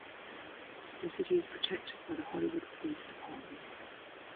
The city is protected by the Hollywood Police Department.